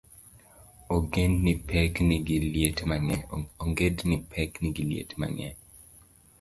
Ongedni pek nigi liet mang'eny